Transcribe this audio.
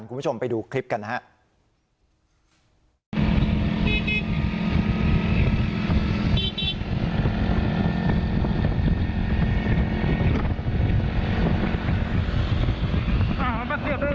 คุณผู้ชมไปดูคลิปกันนะครับ